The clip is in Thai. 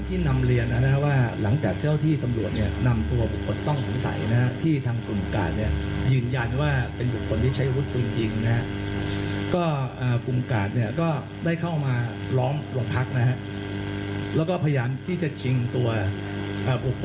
ที่จะชิงตัวัพพระประธานกราวไปนะครับ